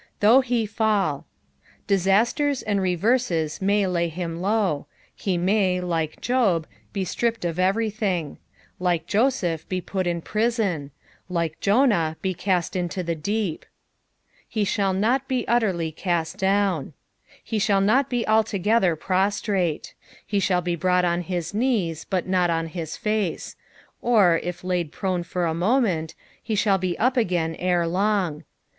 "Thov{/h hefaU." Disasters and reverees may lay him low; he rnnj. PSAUC THB THIBTY SBVKNTH. 195 like Job, be stripped or everything ; like Josepb, be put in prison ; like Jonab, be caM, into tbe deep. "Ha thall not be utterly out down." He shiill not be &ltof(ether prostrue. He shall be brought on hia kness, but not on his face ; or, if l«d prone for a OKiment, he sh&ll be up again ere long.